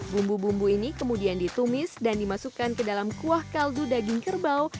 bumbu bumbu ini kemudian ditumis dan dimasukkan ke dalam kuah kaldu daging kerbau